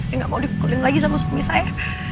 saya nggak mau dipukulin lagi sama suami saya